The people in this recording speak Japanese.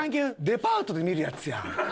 デパートで見るやつやん。